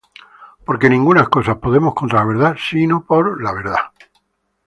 Porque ninguna cosas podemos contra la verdad, sino por la verdad.